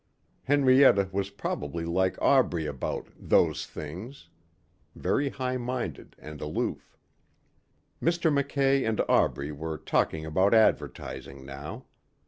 Henrietta was probably like Aubrey about "those things". Very high minded and aloof. Mr. Mackay and Aubrey were talking about advertising now.